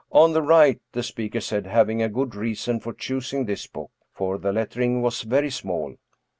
" On the right," the speaker said, having a good reason for choosing this book, for the lettering was very small.